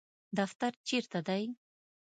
دفتر چیرته دی؟